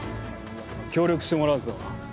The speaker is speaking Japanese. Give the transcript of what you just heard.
協力してもらうぞ。